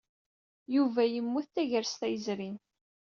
Yuba yemmut tagrest-a yezrin.